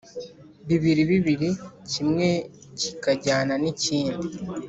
bibiri bibiri, kimwe kikajyana n’ikindi.